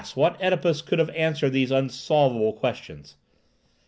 what OEdipus could have answered these unsolvable questions?